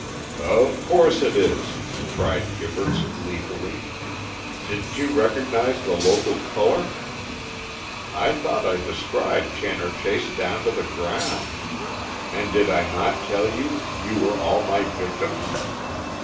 "Of course it is," cried Gibberts, gleefully. "Didn't you recognise the local colour? I thought I described Channor Chase down to the ground, and did I not tell you you were all my victims?